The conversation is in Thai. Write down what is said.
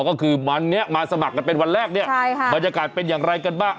ก็คือวันนี้มาสมัครกันเป็นวันแรกเนี่ยบรรยากาศเป็นอย่างไรกันบ้าง